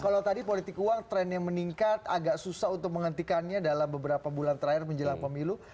kalau tadi politik uang trennya meningkat agak susah untuk menghentikannya dalam beberapa bulan terakhir menjelang pemilu